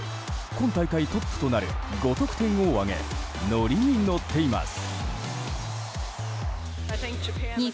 今大会トップとなる５得点を挙げ乗りに乗っています。